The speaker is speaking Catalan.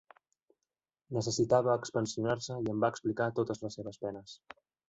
Necessitava expansionar-se i em va explicar totes les seves penes.